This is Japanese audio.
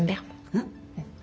うん。